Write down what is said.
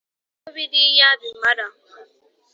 Ko biriya bimara